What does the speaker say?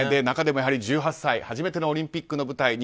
中でも１８歳初めてのオリンピックの舞台